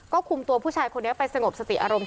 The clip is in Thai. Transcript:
ก็คุมตัวผู้ชายคนนี้ไปสงบสติอารมณ์